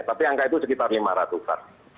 tapi angka itu sekitar lima ratus an